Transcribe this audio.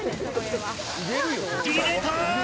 入れた！